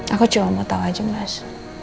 aku cuma mau tahu aja mas